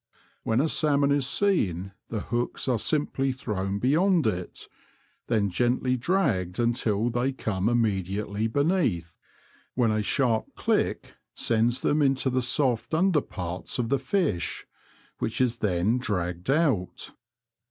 When a salmon is seen the hooks are simply thrown beyond it, then gently dragged until they come immediately beneath ; when a H I04 T^he Confessions of a T^oacher. sharp click sends them into the soft under parts of the fish, which is then dragged out.